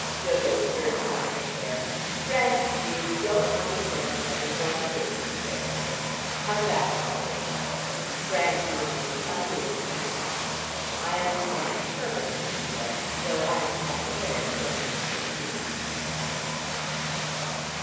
Dodo surged out of her chair. "Grantie dear, we don't understand each other one bit," she said, kissing her. "How sad it all is!" Grantie remained unmoved and calm. "I understand you perfectly," she said. "Though I am quite aware you don't understand me."